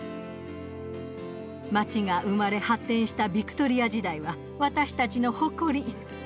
街が生まれ発展したビクトリア時代は私たちの誇り。